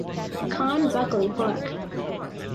Con Buckley Park.